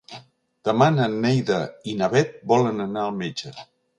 Demà na Neida i na Bet volen anar al metge.